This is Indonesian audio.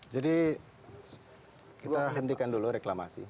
jadi kita hentikan dulu reklamasi